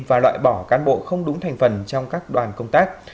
và loại bỏ cán bộ không đúng thành phần trong các đoàn công tác